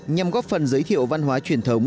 nhằm góp phần giới thiệu văn hóa truyền thống